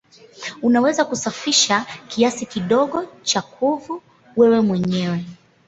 Unaweza kusafisha kiasi kidogo cha kuvu wewe mwenyewe.